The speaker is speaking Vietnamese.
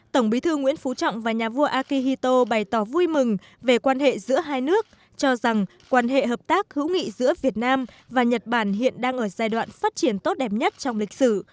tổng bí thư nguyễn phú trọng và nhà vua akihito bày tỏ vui mừng về quan hệ giữa hai nước cho rằng quan hệ hợp tác hữu nghị giữa việt nam và nhật bản hiện đang ở giai đoạn phát triển tốt đẹp nhất trong lịch sử